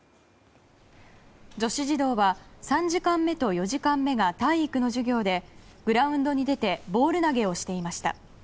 女子児童は３時間目と４時間目が体育の授業でグラウンドに出てボール投げをしていました。